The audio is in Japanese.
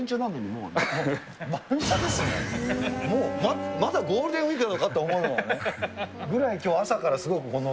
もうまだゴールデンウィークなのかって思うぐらいの。